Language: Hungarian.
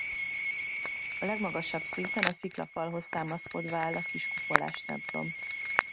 A legmagasabb szinten a sziklafalhoz támaszkodva áll a kis kupolás templom.